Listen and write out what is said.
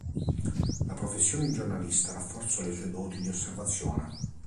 La professione di giornalista rafforzò le sue doti di osservazione.